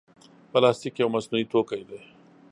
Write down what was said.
پلاستيک یو مصنوعي توکي دی.